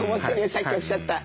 さっきおっしゃった。